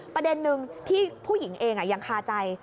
ประเด็นนึงที่ผู้หญิงเองยังคาใจ